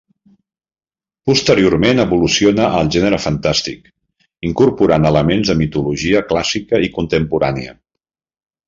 Posteriorment evoluciona al gènere fantàstic, incorporant elements de mitologia clàssica i contemporània.